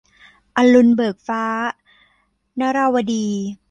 อรุณเบิกฟ้า - นราวดี